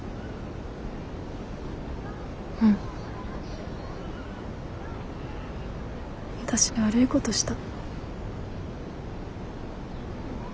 うん。わたし悪いことした。